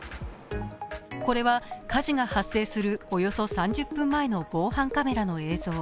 これは、火事が発生するおよそ３０分前の防犯カメラの映像。